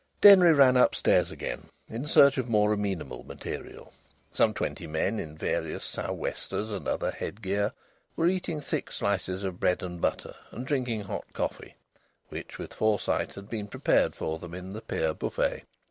Denry ran upstairs again, in search of more amenable material. Some twenty men in various sou' westers and other headgear were eating thick slices of bread and butter and drinking hot coffee, which with foresight had been prepared for them in the pier buffet.